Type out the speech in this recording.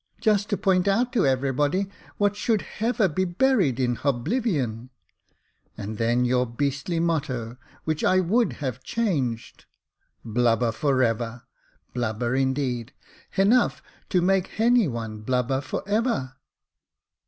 Just to point out to everybody what should /;ever be buried in /^oblivion ; and then your beastly motto — which I ivould have changed —' Blubber for ever !' Blubber in deed ! ^enough to make ^any one blubber for ever."